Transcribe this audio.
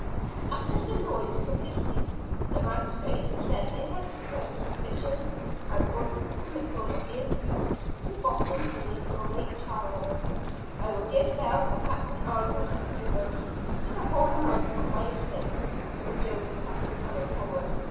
As Mr. Noyes took his seat, the magistrates said they had heard sufficient, and ordered the committal of the accused to Boston prison to await trial. "I will give bail for Captain Alden's appearance, to the whole amount of my estate," said Joseph Putnam coming forward.